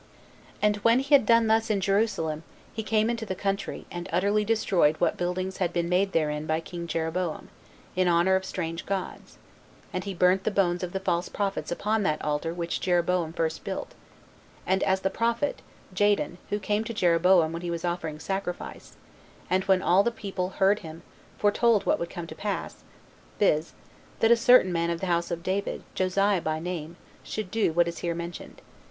4. And when he had done thus in Jerusalem, he came into the country, and utterly destroyed what buildings had been made therein by king Jeroboam, in honor of strange gods; and he burnt the bones of the false prophets upon that altar which Jeroboam first built; and, as the prophet [Jadon], who came to Jeroboam when he was offering sacrifice, and when all the people heard him, foretold what would come to pass, viz. that a certain man of the house of David, Josiah by name, should do what is here mentioned.